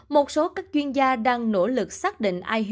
một số các chuyên gia đang nỗ lực xác định ihu